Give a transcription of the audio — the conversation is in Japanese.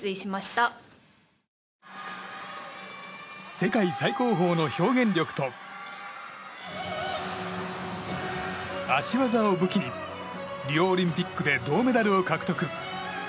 世界最高峰の表現力と脚技を武器にリオオリンピックで銅メダルを獲得。